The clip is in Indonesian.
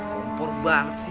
kumpul banget sih